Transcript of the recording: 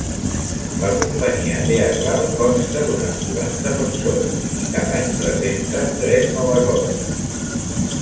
La companyia teatral consta d'unes quaranta persones i cada any presenta tres noves obres.